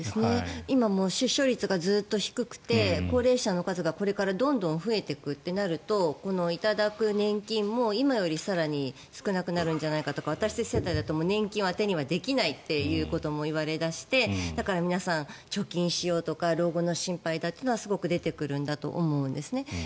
今も出生率がずっと低くて高齢者の数がこれからどんどん増えていくとなるとこの頂く年金も、今より更に少なくなるんじゃないかとか私たち世代だと年金は当てにできないということも言われ始めてだから皆さん、貯金しようとか老後の心配がすごく出てくるんだと思うんですね。